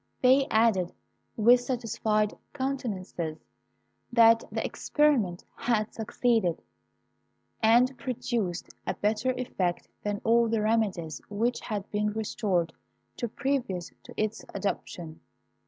They added, with satisfied countenances, that the experiment had succeeded, and produced a better effect than all the remedies which had been resorted to previous to its adoption.